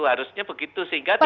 harusnya begitu sehingga tidak